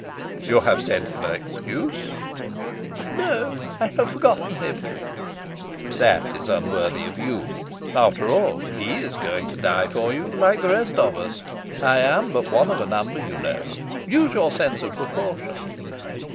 "You have sent him an excuse?" "No, I have forgotten him." "That is unworthy of you. After all, he is going to die for you, like the rest of us. I am but one of a number, you know. Use your sense of proportion."